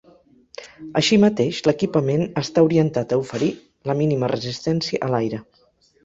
Així mateix l'equipament està orientat a oferir la mínima resistència a l'aire.